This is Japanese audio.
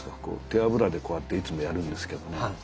手脂でこうやっていつもやるんですけどね。